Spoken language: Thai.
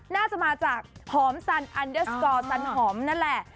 น่าจะมาจากหอมสันอันเดอร์สกอร์สันหอมนั่นแหละ